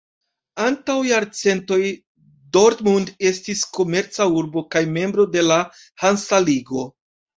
Antaŭ jarcentoj Dortmund estis komerca urbo kaj membro de la Hansa Ligo.